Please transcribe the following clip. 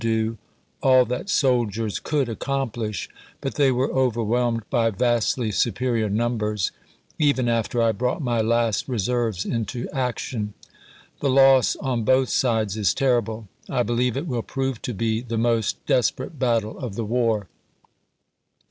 do, all that soldiers could accomplish ; but they were overwhelmed by vastly superior numbers, even after I brought my last reserves into action. The loss on both sides is terrible. I believe it will prove to be the most des perate battle of the war.